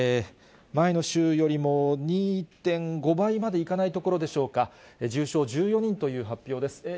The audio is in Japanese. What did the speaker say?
前の週よりも２．５倍までいかないところでしょうか、重症１４人という発表です。